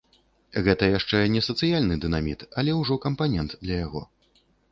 Гэта яшчэ не сацыяльны дынаміт, але ўжо кампанент для яго.